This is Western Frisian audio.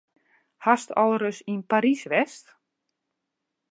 Hast al ris yn Parys west?